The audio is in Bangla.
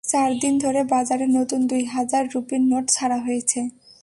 চার দিন ধরে বাজারে নতুন দুই হাজার রুপির নোট ছাড়া হয়েছে।